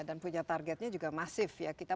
dan punya targetnya juga masif ya